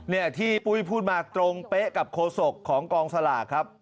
เนี่ยที่ปุ้ยพูดมาตรงเป๊ะกับโฆษกของกองสลากครับ